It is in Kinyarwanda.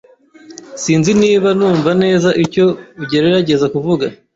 Sinzi niba numva neza icyo ugerageza kuvuga.